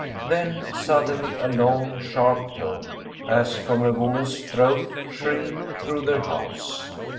Then suddenly a long, sharp tone, as from a woman's throat, shrilled through the house.